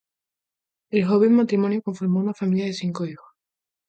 El joven matrimonio conformó una familia de cinco hijos.